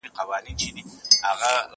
زه اوږده وخت ښوونځی ته ځم وم!.